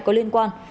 có liên quan